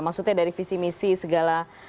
maksudnya dari visi misi segala